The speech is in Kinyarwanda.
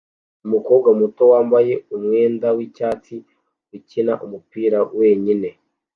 Umukobwa muto wambaye umwenda wicyatsi ukina umupira wenyine